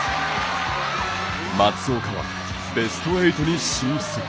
松岡はベスト８に進出。